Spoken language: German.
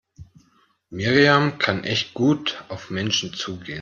Miriam kann echt gut auf Menschen zugehen.